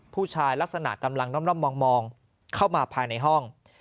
ผู้ชายลักษณะกำลังร่ำมองเข้ามาภายในห้อง